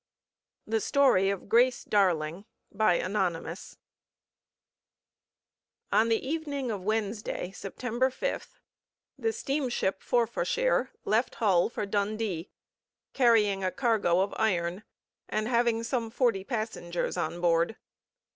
THE STORY OF GRACE DARLING Anonymous On the evening of Wednesday, September 5, the steamship Forfarshire left Hull for Dundee, carrying a cargo of iron, and having some forty passengers on board.